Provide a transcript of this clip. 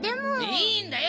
いいんだよ